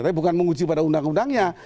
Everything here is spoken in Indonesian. tapi bukan menguji pada undang undangnya